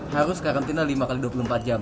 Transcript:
harus karantina lima x dua puluh empat jam